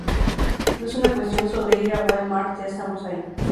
No es una cuestión sobre ir a Wal Mart: ya estamos ahí.